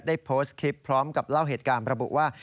ได้โพสต์คลิปพร้อมกับเล่าเหตุการณ์ระบุว่า